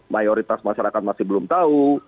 mayoritas masyarakat masih belum tahu